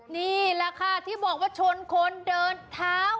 นี่แหละค่ะที่บอกว่าชนคนเดินเท้า